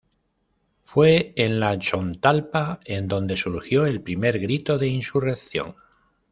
Fue en la Chontalpa en donde surgió el primer grito de insurrección.